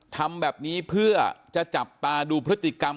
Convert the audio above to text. ทำแบบนี้เพื่อจะจับตาดูพฤติกรรม